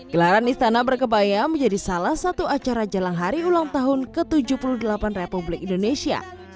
gelaran istana berkebaya menjadi salah satu acara jelang hari ulang tahun ke tujuh puluh delapan republik indonesia